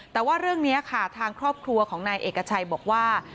แต่ว่าเรื่องนี้ค่ะทางครอบครัวของนายเอกชัยบอกว่า